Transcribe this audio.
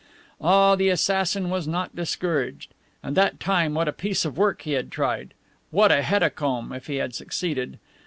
Ah, the assassin was not discouraged. And that time, what a piece of work he had tried! What a hecatomb if he had succeeded!